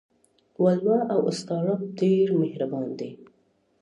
ولوله او ستا رب ډېر مهربان دى.